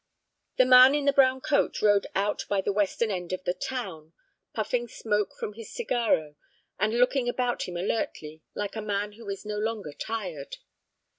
The man in the brown coat rode out by the western end of the town, puffing smoke from his cigarro, and looking about him alertly like a man who is no longer tired.